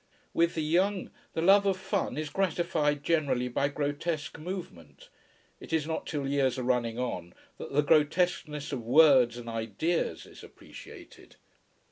With the young the love of fun is gratified generally by grotesque movement. It is not till years are running on that the grotesqueness of words and ideas is appreciated.